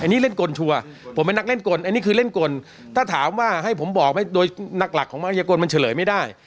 อันนี้เล่นกลชัวร์ผมเป็นนักเล่นกลอันนี้คือเล่นกลถ้าถามว่าให้ผมบอกโดยนักหลักของมัยกลมันเฉลยไม่ได้